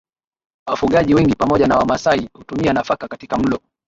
wafugaji wengi pamoja na Wamasai hutumia nafaka katika mlo